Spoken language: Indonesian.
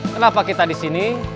kenapa kita di sini